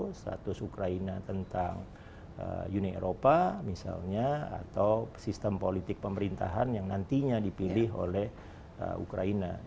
status ukraina tentang uni eropa misalnya atau sistem politik pemerintahan yang nantinya dipilih oleh ukraina